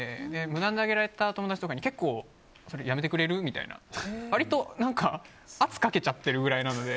無断で上げられた友達とかに結構、やめてくれる？みたいに割と圧かけちゃってるくらいなので。